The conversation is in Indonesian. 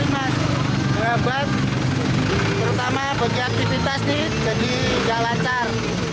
mengganggu sekali mas terlalu banyak terutama bagi aktivitas ini jadi jalan car